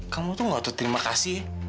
kamu tuh nggak terima kasih ya